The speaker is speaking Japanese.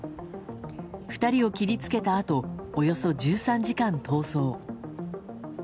２人を切りつけたあとおよそ１３時間逃走。